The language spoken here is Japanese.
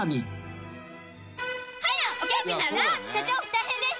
「大変です。